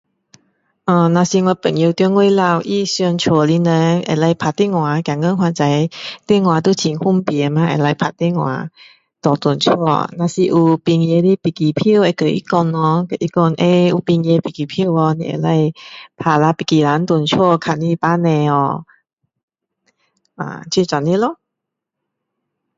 如果我朋友在外面他想家里的人吗可以打电话可以打电话现在反正都很方便吗可以打电话回家如果有便宜的飞机票会跟他讲咯跟他讲有便宜飞机票你可以打下飞机票回家看你的父母就是这样咯